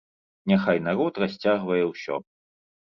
Няхай народ расцягвае ўсё.